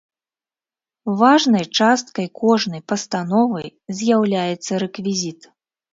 Важнай часткай кожнай пастановы з'яўляецца рэквізіт.